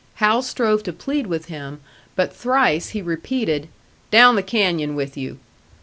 Hal strove to plead with him, but thrice he repeated, "Down the canyon with you."